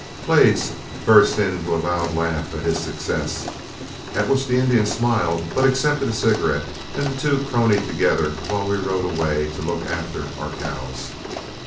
Blades burst into a loud laugh at his success, at which the Indian smiled but accepted a cigarette, and the two cronied together, while we rode away to look after our cows.